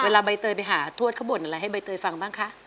ใบเตยไปหาทวดเขาบ่นอะไรให้ใบเตยฟังบ้างคะ